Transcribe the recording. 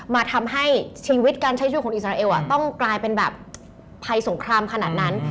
มาทำให้ชีวิตการใช้ชีวิตของอิสราเอลต้องกลายเป็นแบบภัยสงครามขนาดนั้น